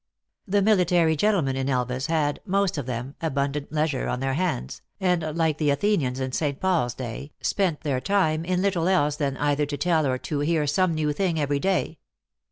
The military gentlemen in Elvas had, most of them, abundant leisure on their hands, and, like the Athe nians in St. Paul s day, spent their time in little else " than either to tell or to hear some new thing every day."